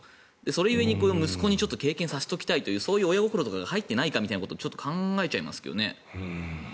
それ故に息子に経験させておきたいというそういう親心とかが入っていないかということを考えちゃいますけどね。